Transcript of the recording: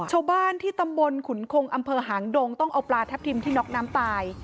ชาวบ้านที่ตำบลขุนคงอำเภอหางดงต้องเอาปลาทับทิมที่น็อกน้ำตาย